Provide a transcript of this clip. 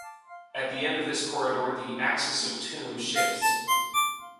At the end of this corridor the axis of the tomb shifts.